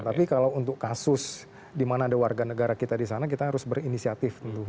tapi kalau untuk kasus di mana ada warga negara kita di sana kita harus berinisiatif tentu